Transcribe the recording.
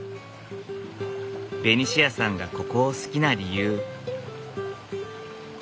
ベニシアさんがここを好きな理由。